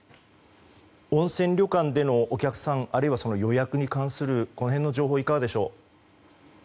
温泉旅館でのお客さんあるいは予約に関するこの辺の状況はいかがでしょう。